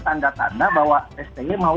tanda tanda bahwa sby mau